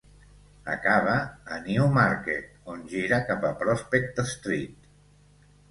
Acaba a Newmarket, on gira cap a Prospect Street.